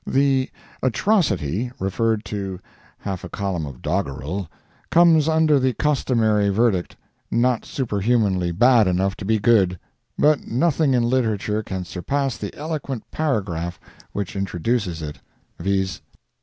The "atrocity" referred to (half a column of doggerel) comes under the customary verdict—not superhumanly bad enough to be good; but nothing in literature can surpass the eloquent paragraph which introduces it, viz.